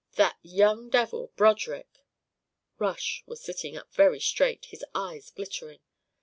That young devil Broderick " Rush was sitting up very straight, his eyes glittering.